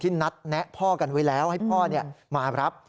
นัดแนะพ่อกันไว้แล้วให้พ่อมารับ